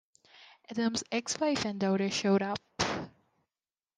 Adam's ex-wife and daughter showed up.